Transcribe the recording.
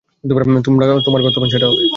তোমার ঘর তখন সেটা হবে।